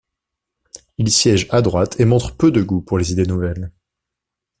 Il siège à droite et montre peu de goût pour les idées nouvelles.